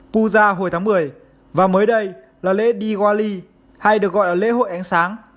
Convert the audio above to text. puza hồi tháng một mươi và mới đây là lễ diwali hay được gọi là lễ hội ánh sáng